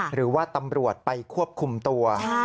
หรือว่าตำรวจไปควบคุมตัว